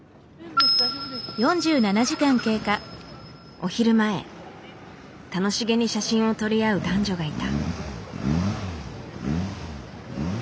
お昼前楽しげに写真を撮り合う男女がいた。